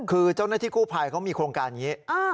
คือเจ้าหน้าที่กู้ภัยเขามีโครงการอย่างนี้